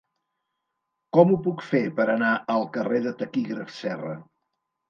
Com ho puc fer per anar al carrer del Taquígraf Serra?